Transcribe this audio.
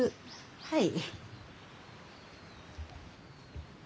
はい。